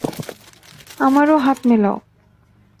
আমারও হাত মেলাও।